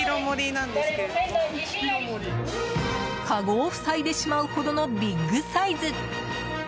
かごを塞いでしまうほどのビッグサイズ！